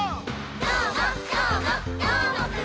「どーもどーもどーもくん！」